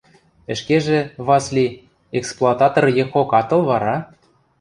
– Ӹшкежӹ, Васли, эксплуататор йыхок ат ыл вара?